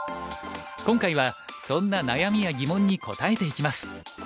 今回はそんな悩みや疑問に答えていきます。